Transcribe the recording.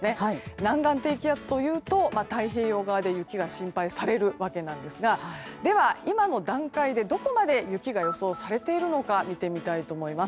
南岸低気圧というと太平洋側で雪が心配されますがでは、今の段階でどこまで雪が予想されているのか見てみたいと思います。